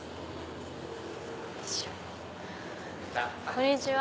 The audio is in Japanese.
こんにちは。